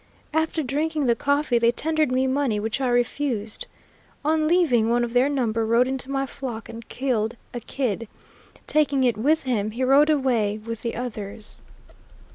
After drinking the coffee they tendered me money, which I refused. On leaving, one of their number rode into my flock and killed a kid. Taking it with him, he rode away with the others."